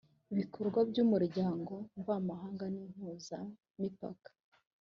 ibikorwa by `umuryango mvamahanga nimpuzamipaka.